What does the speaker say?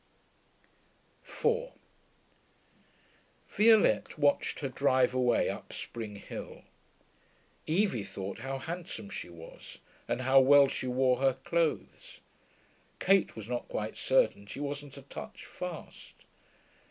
4 Violette watched her drive away up Spring Hill. Evie thought how handsome she was, and how well she wore her clothes. Kate was not quite certain she wasn't a touch fast.